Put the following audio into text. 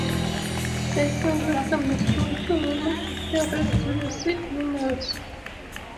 The hands of menstruating women appear red to the sea-animals.